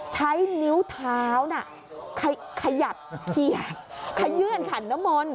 ใช้นิ้วเท้าน่ะขยับเขียนขยื่นขันน้ำมนต์